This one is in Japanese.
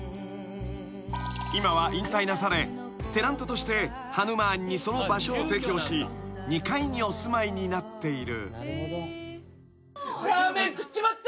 ［今は引退なされテナントとしてハヌマーンにその場所を提供し２階にお住まいになっている］